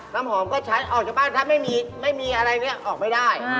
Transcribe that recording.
น้ำหอมก็ชัดออกจากบ้านถ้าไม่มีอะไรเนี่ยออกไม่ได้